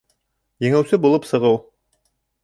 Еңеүсе булып сығыу